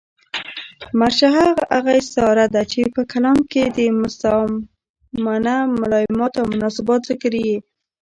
مرشحه هغه استعاره ده، چي په کلام کښي د مستعارمنه ملایمات اومناسبات ذکر يي.